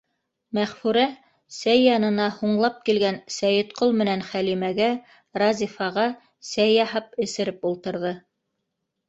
Мәғфүрә сәй янына һуңлап килгән Сәйетҡол менән Хәлимәгә, Разифаға сәй яһап эсереп ултырҙы.